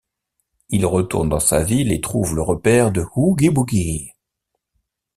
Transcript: Il retourne dans sa ville et trouve le repaire de Oogie Boogie.